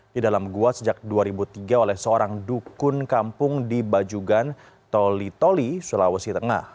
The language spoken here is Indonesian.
di dalam gua sejak dua ribu tiga oleh seorang dukun kampung di bajugan toli toli sulawesi tengah